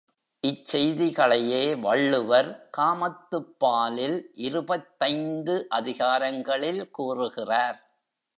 இச் செய்திகளையே வள்ளுவர் காமத்துப் பாலில் இருபத்தைந்து அதிகாரங்களில் கூறுகிறார்.